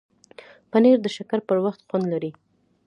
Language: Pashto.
پنېر د شکر پر وخت خوند لري.